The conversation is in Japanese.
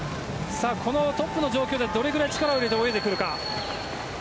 このトップの状況で、どれぐらい力を入れて泳いでくるか。